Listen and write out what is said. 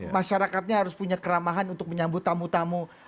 masyarakatnya harus punya keramahan untuk menyambut tamu tamu